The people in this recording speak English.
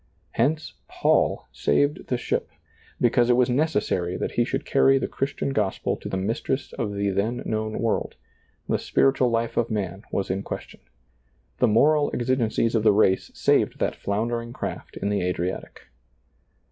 Hence Paul saved the ship ! because it was neces sary that he should carry the Christian gospel to the mistress of the then known world ; the spiritual hfe of man was in question. The moral exi gencies of the race saved that floundering craft in the Adriatic.